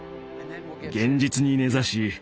現実に根ざし